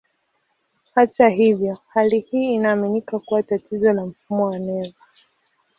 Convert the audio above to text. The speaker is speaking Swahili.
Hata hivyo, hali hii inaaminika kuwa tatizo la mfumo wa neva.